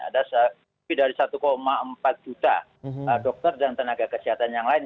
ada lebih dari satu empat juta dokter dan tenaga kesehatan yang lain